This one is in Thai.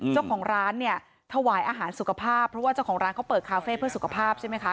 เจ้าของร้านเนี่ยถวายอาหารสุขภาพเพราะว่าเจ้าของร้านเขาเปิดคาเฟ่เพื่อสุขภาพใช่ไหมคะ